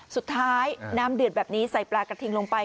น้ำเดือดแบบนี้ใส่ปลากระทิงลงไป